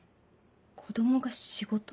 子供が仕事？